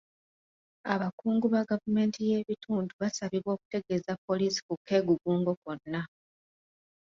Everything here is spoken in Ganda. Abakungu ba gavumenti y'ebitundu basabibwa okutegeeza poliisi ku keekugungo konna.